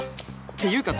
っていうか